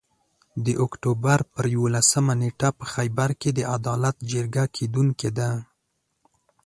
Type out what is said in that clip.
د اُکټوبر پر یوولسمه نیټه په خېبر کې د عدالت جرګه کیدونکي ده